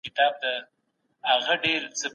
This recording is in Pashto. په پوهنتونونو کي باید علمي فضا وي.